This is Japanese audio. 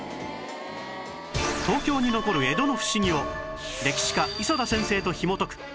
東京に残る江戸の不思議を歴史家磯田先生とひもとく